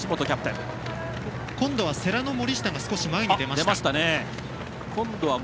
今度は世羅の森下が前に出ました。